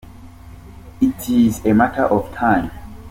It is a matter of time.